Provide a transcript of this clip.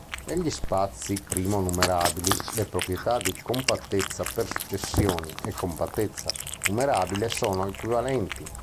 Negli spazi primo-numerabili, le proprietà di compattezza per successioni e compattezza numerabile sono equivalenti.